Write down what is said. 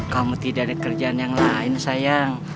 kamu tidak ada kerjaan yang lain sayang